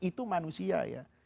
itu manusia ya